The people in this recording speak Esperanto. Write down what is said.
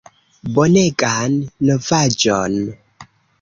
Bonegan novaĵon!"